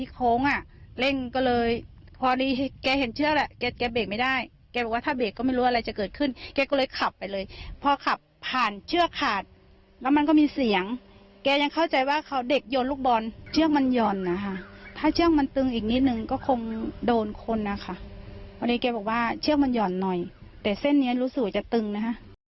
ก็คงโดนคนนะคะเพราะนี่แก๊ปบอกว่าเชือกมันหย่อนหน่อยแต่เส้นนี้รู้สึกจะตึงนะฮะ